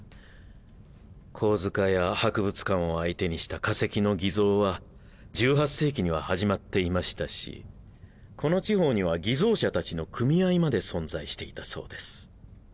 好事家や博物館を相手にした化石の偽造は１８世紀には始まっていましたしこの地方には偽造者たちの組合まで存在していたそうです。